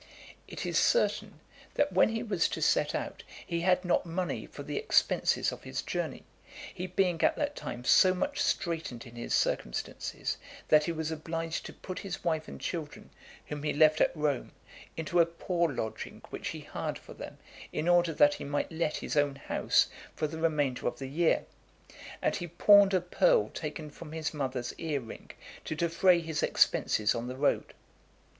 It is certain, that when he was to set out, he had not money for the expenses of his journey; he being at that time so much straitened in his circumstances, that he was obliged to put his wife and children, whom he left at Rome, into a poor lodging which he hired for them, in order that he might let his own house for the remainder of the year; and he pawned a pearl taken from his mother's ear ring, to defray his expenses on the road.